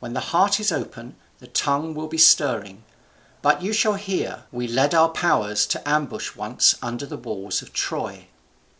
When the heart is open, the tongue will be stirring. But you shall hear. We led our powers to ambush once under the walls of Troy."